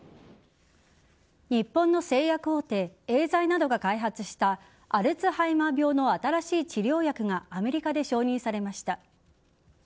日本の製薬大手エーザイなどが開発したアルツハイマー病の新しい治療薬がアメリカで承認されました。